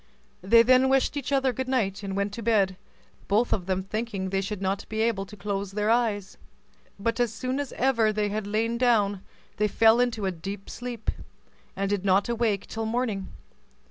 They then wished each other good night, and went to bed, both of them thinking they should not be able to close their eyes; but as soon as ever they had lain down, they fell into a deep sleep, and did not awake till morning.